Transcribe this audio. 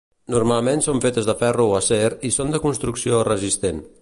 Normalment són fetes de ferro o acer i són de construcció resistent.